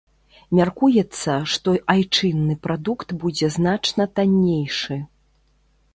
Мяркуецца, што айчынны прадукт будзе значна таннейшы.